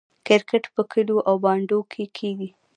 کرکټ په کلیو او بانډو کې کیږي.